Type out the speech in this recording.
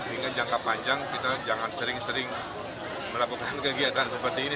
sehingga jangka panjang kita jangan sering sering melakukan kegiatan seperti ini